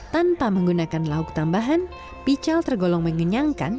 tanpa menggunakan lauk tambahan pical tergolong mengenyangkan